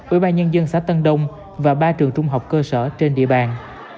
ủy ban nhân dân xã tân đông và ba trường trung học cơ sở trên địa bàn